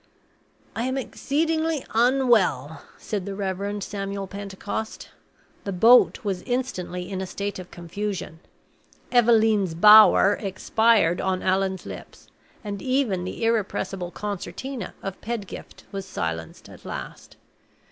"I am exceedingly unwell," said the Reverend Samuel Pentecost. The boat was instantly in a state of confusion. "Eveleen's Bower" expired on Allan's lips, and even the irrepressible concertina of Pedgift was silenced at last.